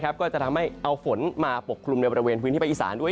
ก็จะทำให้เอาฝนมาปกคลุมในบริเวณพื้นที่ภาคอีสานด้วย